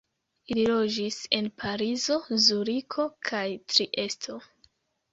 Ili loĝis en Parizo, Zuriko kaj Triesto.